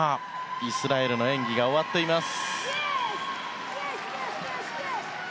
イスラエルの演技が終わっています。